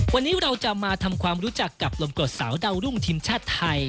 วันนี้เราจะมาทำความรู้จักกับลมกดสาวดาวรุ่งทีมชาติไทย